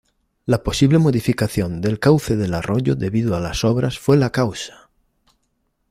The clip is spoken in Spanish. La posible modificación del cauce del arroyo debido a las obras fue la causa.